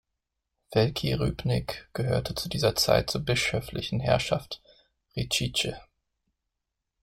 Velký Rybník gehörte zu dieser Zeit zur bischöflichen Herrschaft Řečice.